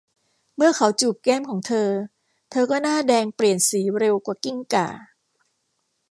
เมื่อเขาจูบแก้มของเธอเธอก็หน้าแดงเปลี่ยนสีเร็วกว่ากิ้งก่า